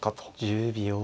１０秒。